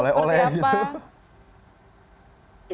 ke indonesia atau ke siapa